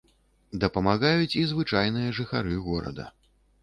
Дапамагаюць і звычайныя жыхары горада.